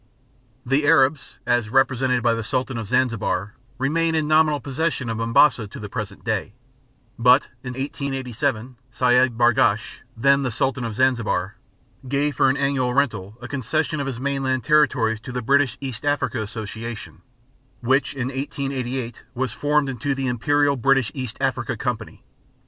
The Arabs, as represented by the Sultan of Zanzibar, remain in nominal possession of Mombasa to the present day; but in 1887 Seyid Bargash, the then Sultan of Zanzibar, gave for an annual rental a concession of his mainland territories to the British East Africa Association, which in 1888 was formed into the Imperial British East Africa Company.